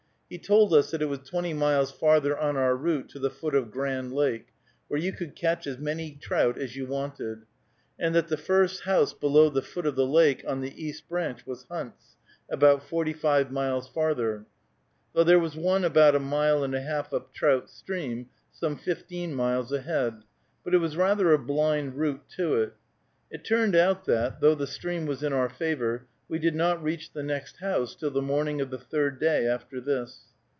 He told us that it was twenty miles farther on our route to the foot of Grand Lake, where you could catch as many trout as you wanted, and that the first house below the foot of the lake, on the East Branch, was Hunt's, about forty five miles farther; though there was one about a mile and a half up Trout Stream, some fifteen miles ahead, but it was rather a blind route to it. It turned out that, though the stream was in our favor, we did not reach the next house till the morning of the third day after this.